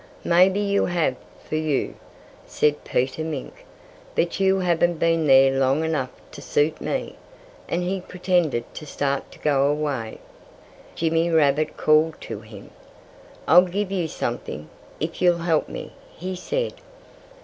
"Maybe you have for you," said Peter Mink. "But you haven't been there long enough to suit me." And he pretended to start to go away. Jimmy Rabbit called to him. "I'll give you something, if you'll help me," he said.